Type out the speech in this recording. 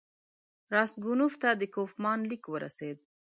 راسګونوف ته د کوفمان لیک ورسېد.